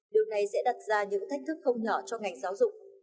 điều này sẽ đặt ra những thách thức không nhỏ cho ngành giáo dục